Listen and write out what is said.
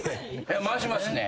回しますね。